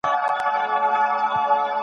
که کتل یې چي مېړه یې